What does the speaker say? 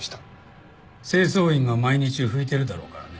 清掃員が毎日拭いてるだろうからね。